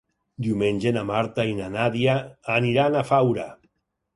Diumenge na Marta i na Nàdia aniran a Faura.